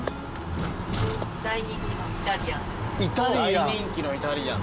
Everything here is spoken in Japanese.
大人気のイタリアン。